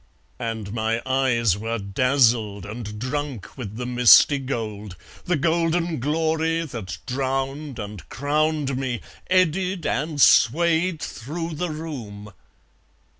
And my eyes Were dazzled and drunk with the misty gold, The golden glory that drowned and crowned me Eddied and swayed through the room